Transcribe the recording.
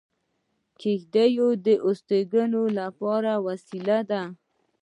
کېږدۍ د استوګنې لپاره وسیله ده